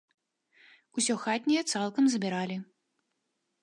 Усё хатняе цалкам забіралі.